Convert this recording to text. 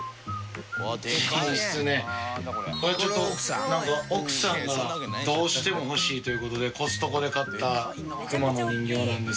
これちょっと奥さんがどうしても欲しいという事でコストコで買ったクマの人形なんですけれども。